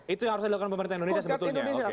itu yang harus dilakukan pemerintah indonesia sebetulnya